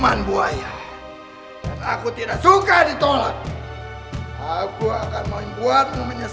apa yang sudah kamu lakukan kepada aku apa